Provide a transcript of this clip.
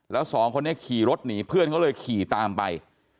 แล้วสองคนนี้ขี่รถหนีเพื่อนเขาเลยขี่ตามไป